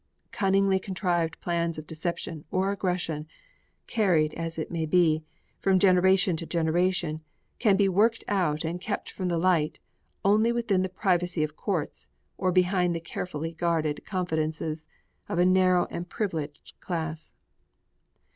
Cunningly contrived plans of deception or aggression, carried, it may be, from generation to generation, can be worked out and kept from the light only within the privacy of courts or behind the carefully guarded confidences of a narrow and privileged class.